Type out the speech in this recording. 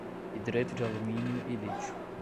hidreto de alumínio e lítio